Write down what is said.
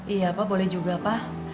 iya pak boleh juga pak